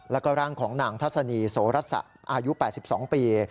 แล้วก็ร่างของนางทัศนีโสรัสสะอายุ๘๒ปี